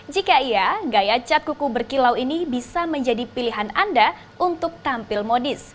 jika iya gaya cat kuku berkilau ini bisa menjadi pilihan anda untuk tampil modis